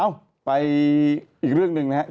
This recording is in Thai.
เอ้าไปอีกเรื่องหนึ่งนะครับ